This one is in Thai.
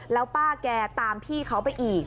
แล้วป้าแกตามพี่เขาไปอีก